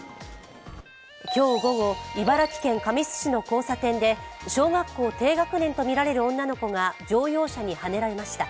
今日午後、茨城県神栖市の交差点で、小学校低学年とみられる女の子が乗用車にはねられました。